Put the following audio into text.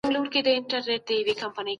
سرو کرویات معمولاً څو میاشتې دوام کوي.